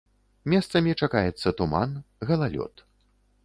Месцамі чакаецца туман, галалёд.